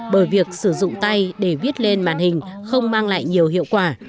bởi việc sử dụng tay để viết lên màn hình không mang lại nhiều hiệu quả